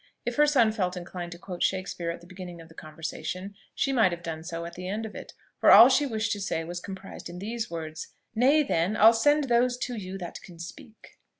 If her son felt inclined to quote Shakspeare at the beginning of the conversation, she might have done so at the end of it; for all she wished to say was comprised in these words: "Nay, then, I'll send those to you that can speak."